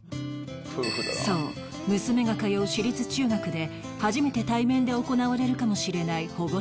そう娘が通う私立中学で初めて対面で行われるかもしれない保護者会